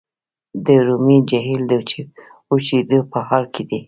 د ارومیې جهیل د وچیدو په حال کې دی.